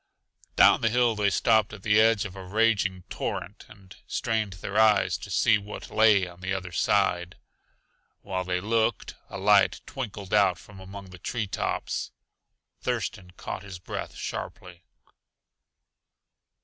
Down the hill they stopped at the edge of a raging torrent and strained their eyes to see what lay on the other side. While they looked, a light twinkled out from among the tree tops. Thurston caught his breath sharply.